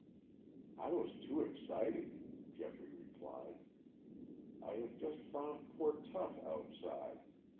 "I was too excited," Geoffrey replied. "I have just found poor Tut outside.